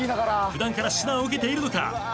普段から指南を受けているのか？